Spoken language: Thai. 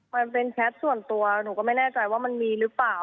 มันเป็นแชทส่วนตัวหนูก็ไม่แน่ใจว่ามันมีหรือเปล่า